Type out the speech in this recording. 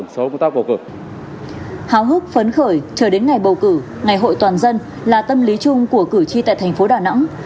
ngày hội toàn dân là tâm lý chung của cử tri tại thành phố đà nẵng